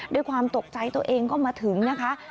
ด้วยความตกใจตัวเองก็มาถึงนะคะ